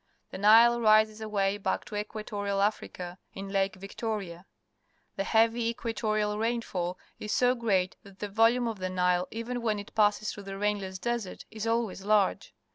The Nile rises away back in Equatorial Africa, in Lake Victoria. The heavy equa torial ramfall is so great that the volume of the Nile, even when it passes through the rainless desert , is always large.